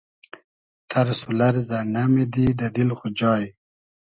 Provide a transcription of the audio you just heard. تئرس و لئرزۂ نئمیدی دۂ دیل خو جای